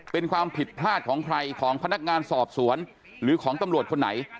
เป็นความผิดพลาดของใครของพนักงานสอบสวนหรือของตำรวจคนไหน